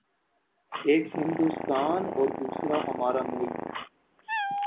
:ایک ہندوستان اوردوسرا ہمارا ملک۔